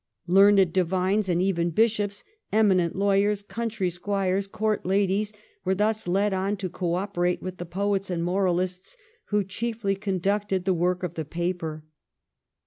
Learned divines and even bishops, eminent lawyers, country squires, court ladies, were thus led on to co operate with the poets and moralists who chiefly conducted the work of the paper.